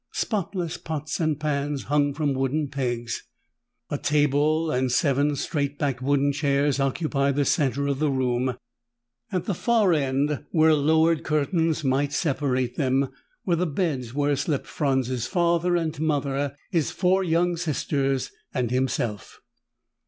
Spotless pots and pans hung from wooden pegs. A table and seven straight backed wooden chairs occupied the center of the room. At the far end, where lowered curtains might separate them, were the beds where slept Franz's father and mother, his four young sisters and himself.